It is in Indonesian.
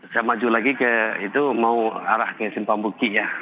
saya maju lagi ke itu mau arah ke simpambukti ya